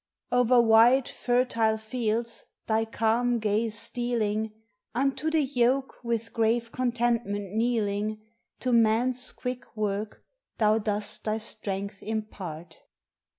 Over wide fertile fields thy calm gaze stealing, Unto the yoke with grave contentment kneeling, To man's quick work thou dost thy strength impart.